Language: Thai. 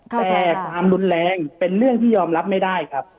แต่ความรุนแรงเป็นเรื่องที่ยอมรับไม่ได้ครับ